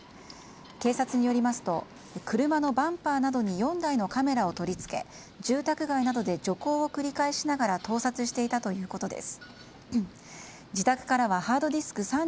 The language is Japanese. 警察によりますと車のバンパーなどに４台のカメラを取り付け住宅街などで徐行を繰り返しながら盗撮していたということです。